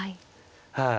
はい。